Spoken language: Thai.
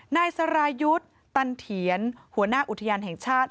นายสรายุทธ์ตันเถียนหัวหน้าอุทยานแห่งชาติ